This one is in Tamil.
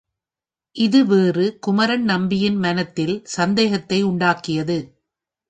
இது வேறு குமரன் நம்பியின் மனத்தில் சந்தேகத்தை உண்டாக்கியது.